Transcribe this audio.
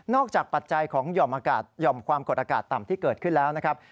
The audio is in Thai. นอกจากปัจจัยของหย่อมความกดอากาศต่ำที่เกิดขึ้นแล้วนะครับ